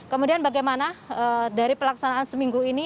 kemudian bagaimana dari pelaksanaan seminggu ini